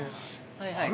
◆はいはい。